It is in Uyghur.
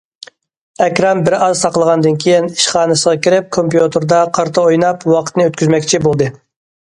ئەكرەم بىر ئاز ساقلىغاندىن كېيىن، ئىشخانىسىغا كىرىپ كومپيۇتېردا قارتا ئويناپ ۋاقىتنى ئۆتكۈزمەكچى بولدى.